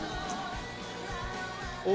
お！